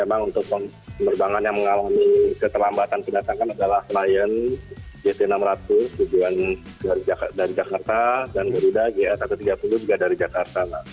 memang untuk penerbangan yang mengalami keterlambatan penerbangan adalah lion gt enam ratus dari jakarta dan geruda ga satu ratus tiga puluh juga dari jakarta